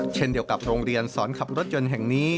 เช่นเดียวกับโรงเรียนสอนขับรถยนต์แห่งนี้